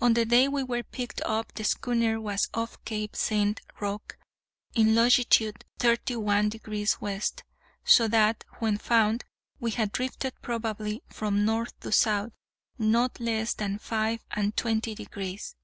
On the day we were picked up the schooner was off Cape St. Roque, in longitude thirty one degrees west; so that, when found, we had drifted probably, from north to south, _not less than five and twenty degrees!